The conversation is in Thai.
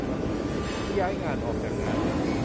ที่ย้ายงาน ออกจากงาน